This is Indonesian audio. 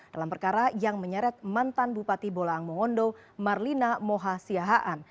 dalam perkara yang menyeret mantan bupati bolaang mongondo marlina moha siahaan